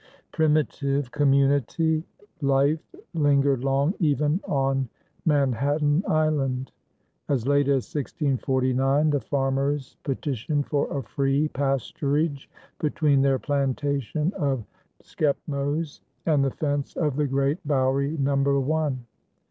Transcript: Primitive community life lingered long even on Manhattan Island. As late as 1649 the farmers petitioned for a free pasturage between their plantation of Schepmoes and the fence of the Great Bowerie Number One.